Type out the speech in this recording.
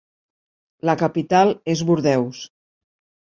La capital és Bordeus.